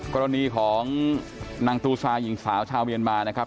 กรณีของนางตูซาหญิงสาวชาวเมียนมานะครับ